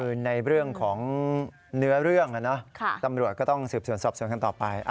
คือในเรื่องของเนื้อเรื่องนะตำรวจก็ต้องสืบสวนสอบสวนกันต่อไป